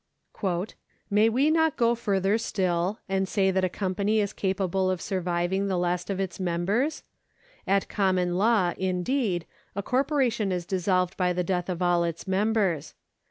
^ May we not go further still, and say that a company is capable of surviv ing the last of its members ? At common law indeed, a corporation is dis solved by the death of all its members.